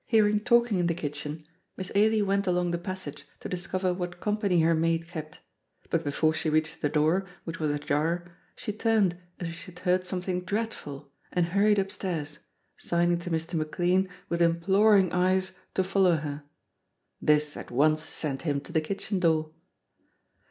Hearing talking in the kitchen Miss Ailie went along the passage to discover what company her maid kept; but before she reached the door, which was ajar, she turned as if she had heard something dreadful and hurried upstairs, signing to Mr. McLean, with imploring eyes, to follow her. This at once sent him to the kitchen door.